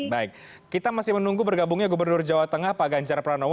baik kita masih menunggu bergabungnya gubernur jawa tengah pak ganjar pranowo